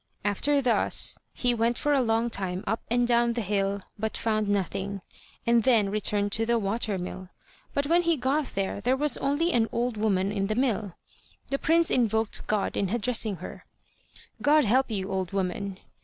After thus he went for a long time up and down the hill, but found nothing, and then returned to the water mill; but when he got there, there was only an old woman in the mill. The prince invoked God in addressing her: "God help you, old woman!"